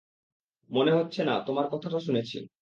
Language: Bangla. মনে হচ্ছে না, তোমার কথাটা শুনেছি।